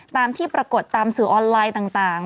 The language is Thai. ตามที่ปรากฏตามสื่อออนไลน์ต่าง